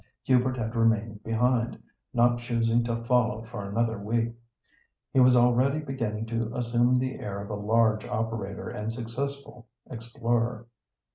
Hubert had remained behind, not choosing to follow for another week. He was already beginning to assume the air of a large operator and successful explorer.